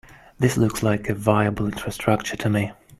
This looks like a viable infrastructure to me.